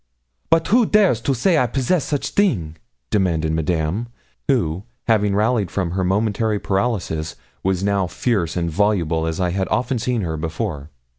'But who dares to say I possess such thing?' demanded Madame, who, having rallied from her momentary paralysis, was now fierce and voluble as I had often seen her before.